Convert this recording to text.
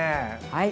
はい。